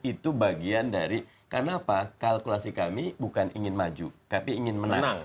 itu bagian dari karena apa kalkulasi kami bukan ingin maju tapi ingin menang